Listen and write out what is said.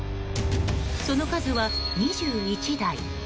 その数は２１台。